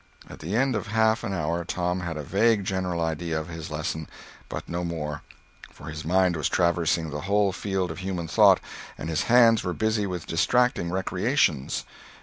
At the end of half an hour Tom had a vague general idea of his lesson, but no more, for his mind was traversing the whole field of human thought, and his hands were busy with distracting recreations.